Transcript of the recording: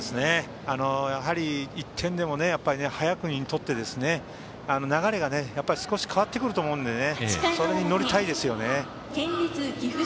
やはり１点でも早くに取ってそれで流れが少し変わってくると思うのでそれに乗りたいですね。